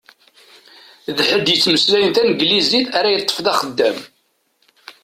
D ḥedd yettmeslayen taneglizit ara yeṭṭef d axeddam.